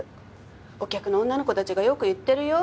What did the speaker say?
お客の女の子たちがよく言ってるよ。